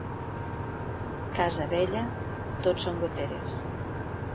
Casa vella, tot són goteres.